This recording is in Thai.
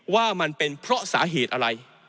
ว่ามันเป็นเพราะสาเหตุอะไร